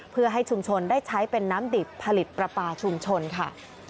เพื่อให้ชุมชนได้ใช้เป็นน้ำดิบผลิตปลาปลาชุมชนค่ะ